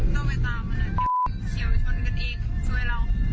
สุดยอดดีแล้วล่ะ